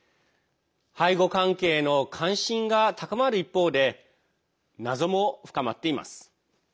背後関係の関心が高まる一方で謎も深まっています。